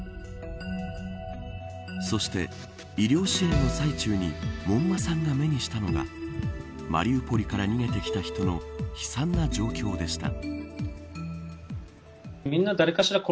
そして医療支援の最中に門馬さんが目にしたのがマリウポリから逃げてきた人の悲惨な状況でした。